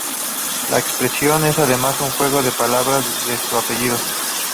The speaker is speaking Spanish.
La expresión es además un juego de palabras de su apellido.